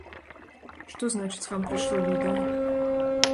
Што значыць, вам прыйшло відэа?